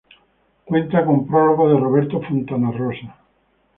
Cuenta con prólogo de Roberto Fontanarrosa.